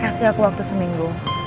kasih aku waktu seminggu